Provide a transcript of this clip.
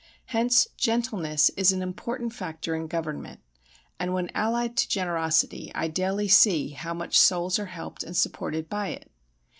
Hence, gentleness is an important factor in government, and when allied to generosity, I daily see how much souls are helped and supported by it.